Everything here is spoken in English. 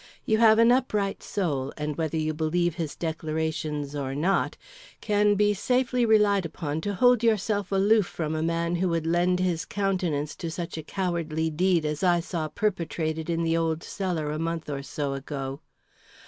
You have an upright soul, and whether you believe his declarations or not, can be safely relied upon to hold yourself aloof from a man who could lend his countenance to such a cowardly deed as I saw perpetrated in the old cellar a month or so ago.